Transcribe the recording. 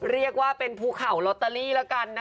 เรียกว่าเป็นภูเขาลอตเตอรี่แล้วกันนะคะ